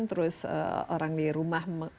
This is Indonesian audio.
terus orang di rumah